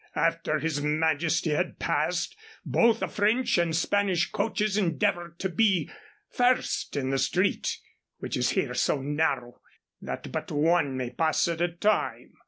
After his Majesty had passed, both the French and Spanish coaches endeavored to be first in the street, which is here so narrow that but one may pass at a time.